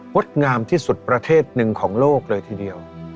ดงามที่สุดประเทศหนึ่งของโลกเลยทีเดียว